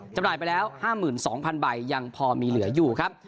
จำหน่ายไปแล้ว๕๒๐๐๐ใบยังพอมีเหลืออยู่ครับ